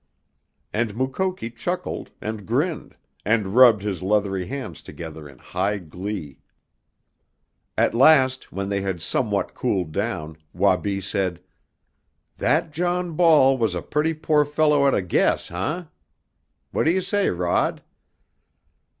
And Mukoki chuckled, and grinned, and rubbed his leathery hands together in high glee. At last, when they had somewhat cooled down, Wabi said: "That John Ball was a pretty poor fellow at a guess, eh? What do you say, Rod?"